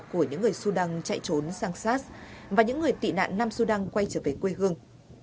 của những người sudan chạy trốn sang sass và những người tị nạn nam sudan quay trở về quê hương